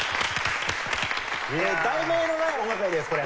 『題名のない音楽会』ですこれ。